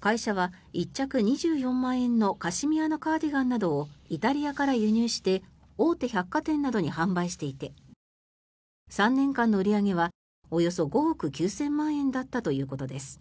会社は１着２４万円のカシミヤのカーディガンなどをイタリアから輸入して大手百貨店などに販売していて３年間の売り上げはおよそ５億９０００万円だったということです。